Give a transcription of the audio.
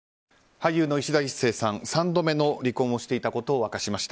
俳優のいしだ壱成さん３度目の離婚をしていたことを明かしました。